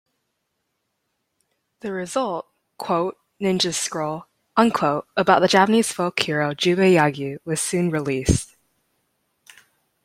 The result, "Ninja Scroll", about the Japanese folk hero Jubei Yagyu, was soon released.